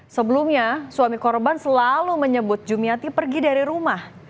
sebelumnya suami korban selalu menyebut jumiati pergi dari rumah